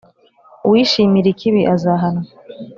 Uwishimira ikibi, azahanwa,